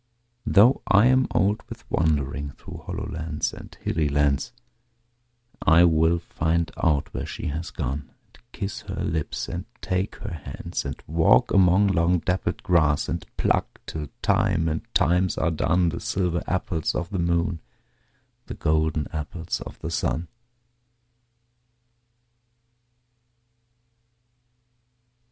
Though I am old with wandering Through hollow lands and hilly lands, I will find out where she has gone, And kiss her lips and take her hands; And walk among long dappled grass, And pluck till time and times are done, The silver apples of the moon, The golden apples of the sun.